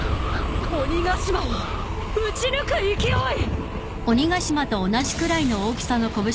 鬼ヶ島を打ち抜く勢い！